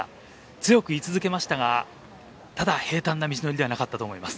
強く居続けましたが、ただ、平たんな道のりではなかったと思います。